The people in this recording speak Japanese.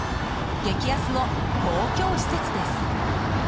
激安の公共施設です。